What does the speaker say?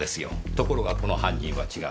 ところがこの犯人は違う。